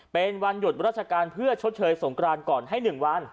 เป็นวันหยุดราชการเพื่อชดเชยสงกรานก่อนให้๑วัน